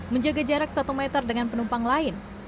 menjaga jarak satu meter dengan penumpang lain